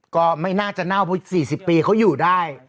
ก็ไม่น่าจะเน่าเพราะ๔๐ปีเขาอยู่ได้